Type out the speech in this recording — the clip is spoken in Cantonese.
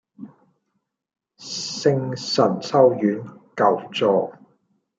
聖神修院舊座